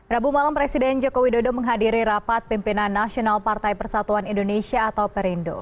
rabu malam presiden joko widodo menghadiri rapat pimpinan nasional partai persatuan indonesia atau perindo